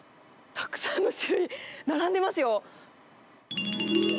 たくさんの種類、並んでますよ。